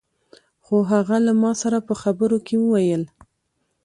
خو هغه له ما سره په خبرو کې وويل.